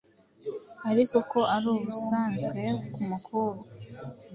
ariko ko ari ubusanzwe ku mukobwa.